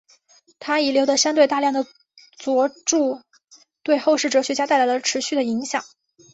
他遗留的相对大量的着作对后世哲学家带来了持续的影响。